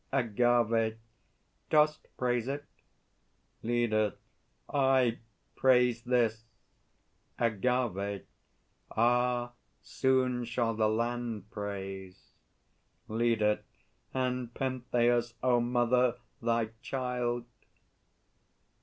AGAVE. Dost praise it? LEADER. I praise this? AGAVE. Ah, soon shall the land praise! LEADER. And Pentheus, O Mother, Thy child?